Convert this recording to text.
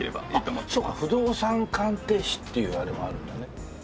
あっそうか不動産鑑定士っていうあれもあるんだね。